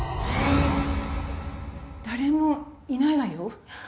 誰もいないわよ。